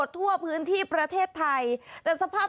ค่ะคือเมื่อวานี้ค่ะ